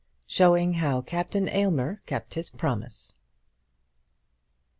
SHOWING HOW CAPTAIN AYLMER KEPT HIS PROMISE.